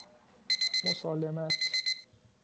مسالمت